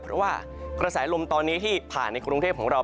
เพราะว่ากระแสลมตอนนี้ที่ผ่านในกรุงเทพของเรา